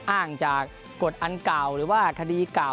อ้างจากกฎอันเก่าหรือว่าคดีเก่า